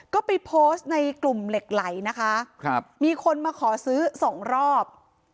ก็ไปโพสต์ในกลุ่มเหล็กไหลนะคะครับมีคนมาขอซื้อสองรอบ